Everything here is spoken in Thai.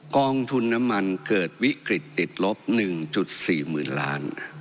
กองทุนน้ำมันเกิดวิกฤตติดลบ๑๔๐๐๐ล้าน